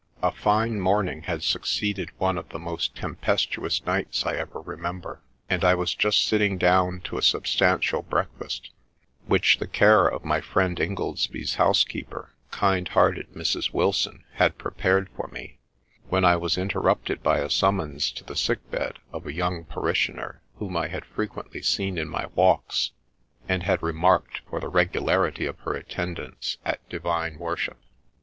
' A fine morning had succeeded one of the most tempestuous nights I ever remember, and I was just sitting down to a sub stantial breakfast, which the care of my friend Ingoldsby's housekeeper, kind hearted Mrs. Wilson, had prepared for me, when I was interrupted by a summons to the sick bed of a young parishioner whom I had frequently seen in my walks, and had remarked for the regularity of her attendance at Divine worship.